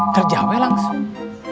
kerja abe langsung